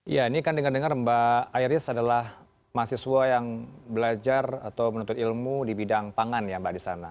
ya ini kan dengar dengar mbak iris adalah mahasiswa yang belajar atau menuntut ilmu di bidang pangan ya mbak di sana